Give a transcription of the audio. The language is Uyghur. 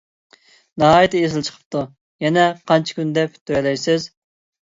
ناھايىتى ئېسىل چىقىپتۇ. يەنە قانچە كۈندە پۈتتۈرەلەيسىز؟